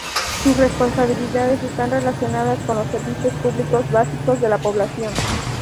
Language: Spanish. Sus responsabilidades están relacionadas con los servicios públicos básicos de la población.